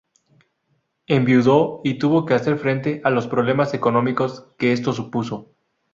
Enviudó y tuvo que hacer frente a los problemas económicos que esto supuso.